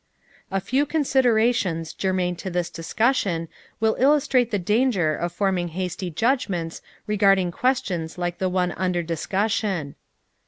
A few considerations germane to this discussion will illustrate the danger of forming hasty judgments regarding questions like the one under discussion.